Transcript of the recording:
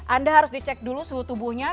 anda harus dicek dulu suhu tubuhnya